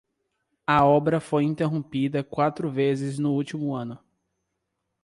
A obra foi interrompida quatro vezes no último ano